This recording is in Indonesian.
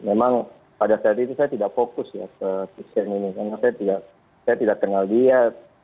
memang pada saat itu saya tidak fokus ya ke kristen ini karena saya tidak kenal dia